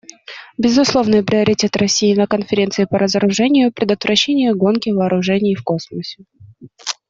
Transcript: Безусловный приоритет России на Конференции по разоружению − предотвращение гонки вооружений в космосе.